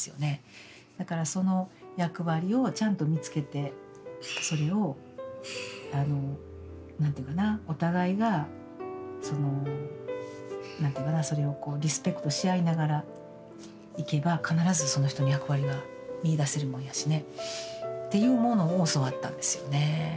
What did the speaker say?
だからその役割をちゃんと見つけてそれをあの何て言うかなお互いがその何て言うかなそれをリスペクトしあいながらいけば必ずその人の役割が見いだせるもんやしねっていうものを教わったんですよね。